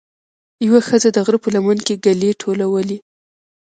یوه ښځه د غره په لمن کې ګلې ټولولې.